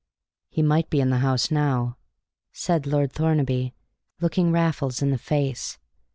"He might be in the house now," said Lord Thornaby, looking Raffles in the face.